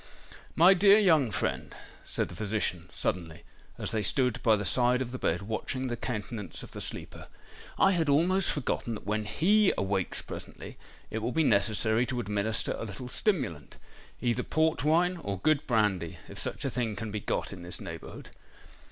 "My dear young friend," said the physician suddenly, as they stood by the side of the bed, watching the countenance of the sleeper, "I had almost forgotten that when he awakes presently, it will be necessary to administer a little stimulant—either port wine, or good brandy, if such a thing can be got in this neighbourhood."